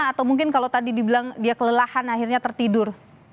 atau mungkin kalau tadi dibilang dia kelelahan akhirnya tertidur